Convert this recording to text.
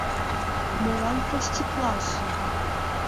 Молан проститлаш?